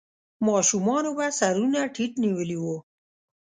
ماشومانو به سرونه ټيټ نيولې وو.